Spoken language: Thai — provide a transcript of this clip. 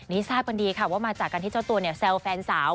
นี่ทราบกันดีค่ะว่ามาจากการที่เจ้าตัวเนี่ยแซวแฟนสาว